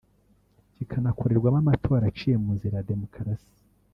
kikanakorerwamo amatora aciye mu nzira ya demokarasi